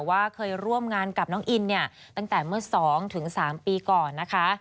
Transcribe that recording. ว่าเคยร่วมงานกับน้องอินตั้งแต่เมื่อสองถึงสามปีก่อนนะคะ